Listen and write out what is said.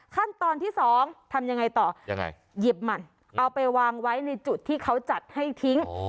ขั้นตอนที่สองทำยังไงต่อยังไงหยิบมันเอาไปวางไว้ในจุดที่เขาจัดให้ทิ้ง